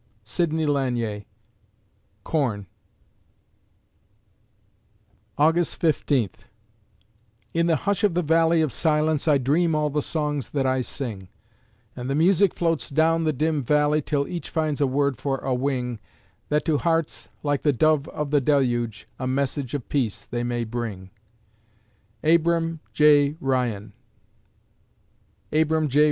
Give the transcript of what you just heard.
SIDNEY LANIER (Corn) August Fifteenth In the hush of the valley of silence I dream all the songs that I sing; And the music floats down the dim Valley Till each finds a word for a wing, That to hearts, like the Dove of the Deluge, A message of Peace they may bring. ABRAM J. RYAN _Abram J.